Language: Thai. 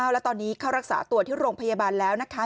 แล้วตอนนี้เข้ารักษาตัวที่โรงพยาบาลแล้วนะคะ